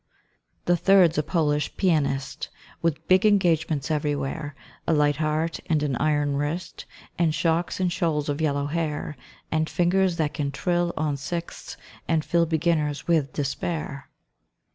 The third's a Polish Pianist With big engagements everywhere, A light heart and an iron wrist, And shocks and shoals of yellow hair, And fingers that can trill on sixths and fill beginners with despair.